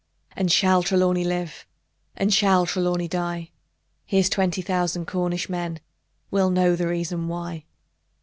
And shall Trelawny live? Or shall Trelawny die? Here's twenty thousand Cornish men Will know the reason why!